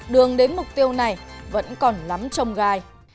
đường đến mục tiêu này vẫn còn lắm trông gai